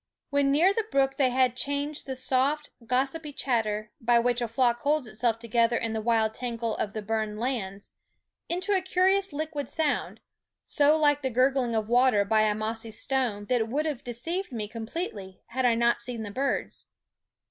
When near the brook they had TTte Partridges* / "Roll Call changed the soft, gossipy chatter, by which a flock holds itself together in the wild tangle of the burned lands, into a curious liquid sound, so like the gurgling of water by a mossy stone that it would have deceived me completely, had I not seen the birds.